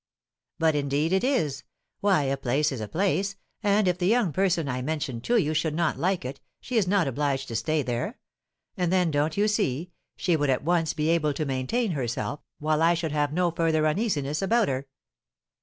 "But, indeed, it is; why, a place is a place, and, if the young person I mentioned to you should not like it, she is not obliged to stay there; and then, don't you see, she would at once be able to maintain herself, while I should have no further uneasiness about her?"